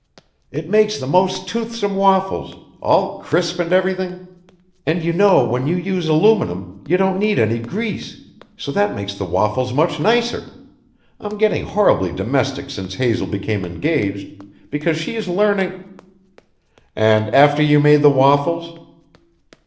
It makes the most toothsome waffles all crisp and everything. And you know when you use aluminum you don't need any grease, so that makes the waffles much nicer. I'm getting horribly domestic since Hazel became engaged, because she is learning " "And after you made the waffles?"